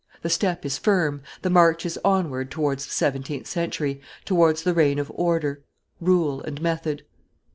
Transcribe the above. The step is firm, the march is onward towards the seventeenth century, towards the reign of order, rule, and method.